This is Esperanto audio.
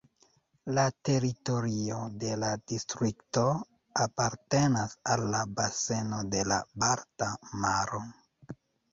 La teritorio de la distrikto apartenas al la baseno de la Balta Maro.